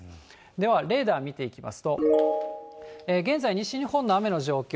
では、レーダー見ていきますと、現在、西日本の雨の状況。